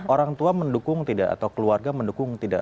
orang tua mendukung tidak atau keluarga mendukung tidak